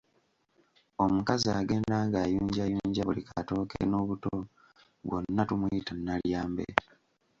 Omukazi agenda ng'ayunjayunja buli katooke n'obuto bwonna tumuyita Nalyambe.